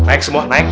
naik semua naik naik